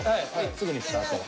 すぐにスタート。